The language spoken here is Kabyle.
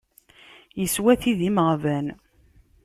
Yeswa tidi n imeɣban.